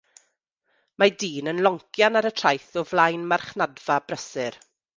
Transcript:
Mae dyn yn loncian ar y traeth o flaen marchnadfa brysur